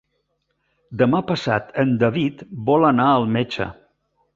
Demà passat en David vol anar al metge.